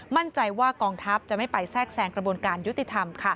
มั่นใจว่ากองทัพจะไม่ไปแทรกแซงกระบวนการยุติธรรม